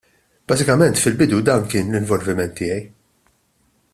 Bażikament, fil-bidu dan kien l-involviment tiegħi.